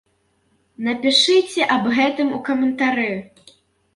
Напішыце аб гэтым у каментары!